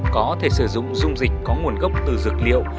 có thể sử dụng dung dịch có nguồn gốc từ dược liệu